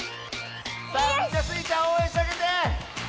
さあみんなスイちゃんおうえんしてあげて！